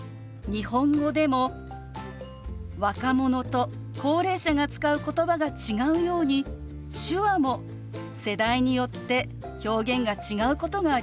日本語でも若者と高齢者が使うことばが違うように手話も世代によって表現が違うことがあります。